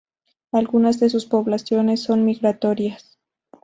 Algunas de sus poblaciones son migratorias.